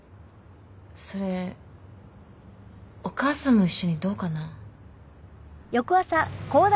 それお母さんも一緒にどうかな？